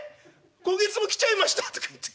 今月も来ちゃいましたとか言って。